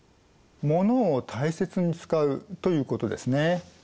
モノを大切に使うということですね。